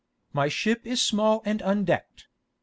My ship is small and undecked.